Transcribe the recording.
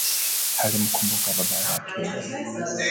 Alimkumbuka baba yake